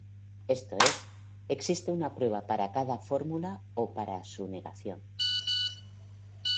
Esto es, existe una prueba para cada fórmula o para su negación.